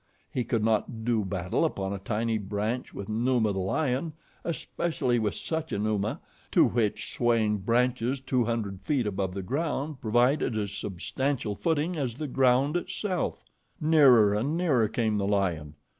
He could not do battle upon a tiny branch with Numa, the lion, especially with such a Numa, to which swaying branches two hundred feet above the ground provided as substantial footing as the ground itself. Nearer and nearer came the lion.